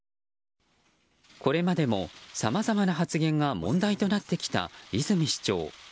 これまでも、さまざまな発言が問題となってきた泉市長。